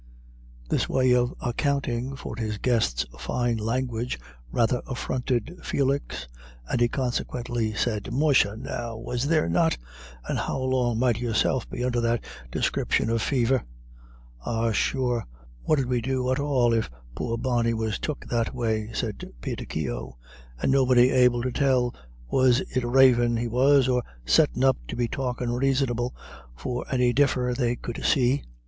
This way of accounting for his guest's fine language rather affronted Felix, and he consequently said, "Musha now, was there not? And how long might yourself be under that descripshin of fever?" "Ah sure, what 'ud we do at all if poor Barney was took that way?" said Peter Keogh, "and nobody able to tell was it ravin' he was, or settin' up to be talkin' raisonable for any differ they could see."